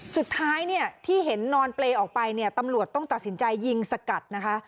สุดท้ายเนี่ยที่เห็นนอนเปรย์ออกไปเนี่ยตำรวจต้องตัดสินใจยิงสกัดนะคะ